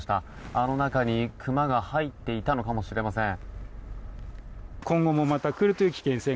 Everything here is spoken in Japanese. あの中にクマが入っていたのかもしれません。